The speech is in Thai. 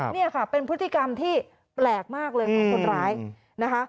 นี่ค่ะเป็นพฤติกรรมที่แปลกมากเลยของคนร้ายนะคะ